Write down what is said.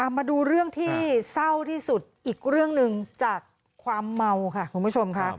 มาดูเรื่องที่เศร้าที่สุดอีกเรื่องหนึ่งจากความเมาค่ะคุณผู้ชมค่ะ